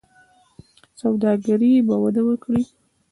سوداګري به وده وکړي.